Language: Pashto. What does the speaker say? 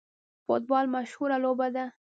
فوټبال مشهوره لوبه ده